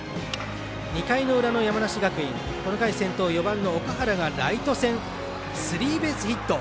２回の裏の山梨学院この回、先頭、４番の岳原がライト線スリーベースヒット。